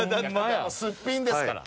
『すっぴん』ですから。